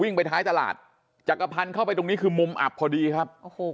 ไปท้ายตลาดจักรพันธ์เข้าไปตรงนี้คือมุมอับพอดีครับโอ้โห